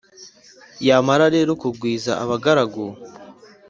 yamara rero kugwiza abagaragu,